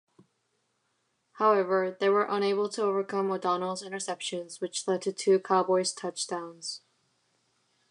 However, they were unable to overcome O'Donnell's interceptions, which led to two Cowboys touchdowns.